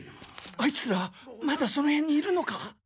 あいつらまだその辺にいるのか？